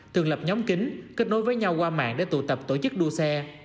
thường lập nhóm kính kết nối với nhau qua mạng để tụ tập tổ chức đua xe